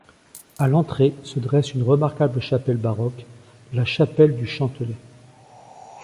À l'entrée se dresse une remarquable chapelle baroque, la chapelle du Chantelet.